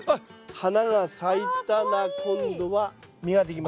花が咲いたら今度は実ができます。